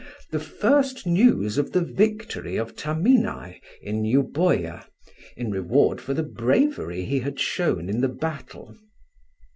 the first news of the victory of Tamynae, in Euboea, in reward for the bravery he had shown in the battle.